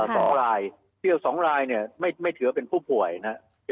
แต่ว่า๒ลายเนี่ยไม่เถือเป็นผู้ป่วยนะฮะ